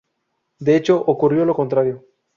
De hecho, ocurrió lo contrario.